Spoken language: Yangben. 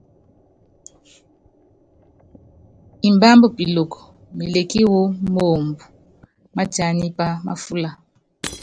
Imbámb Piloko mélékí wɔ́ moomb mátíánípá máfúla.